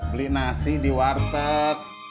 beli nasi di warteg